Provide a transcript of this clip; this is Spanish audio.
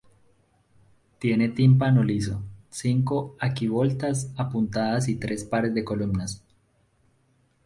Tiene tímpano liso, cinco arquivoltas apuntadas y tres pares de columnas.